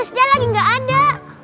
ustazah lagi gak ada